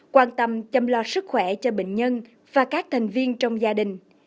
quan tâm chăm lo sức khỏe cho bệnh nhân và các thành viên trong gia đình